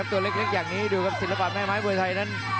ตัวเล็กอย่างนี้ดูครับศิลปะแม่ไม้มวยไทยนั้น